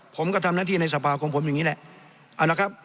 ผมก็ทำหน้าที่ในสภาของผมอย่างนี้แหละเอาละครับ